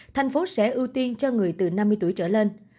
thành phố sẽ ưu tiên cho người từ năm mươi tuổi trở lên